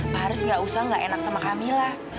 pak haris gak usah gak enak sama kamila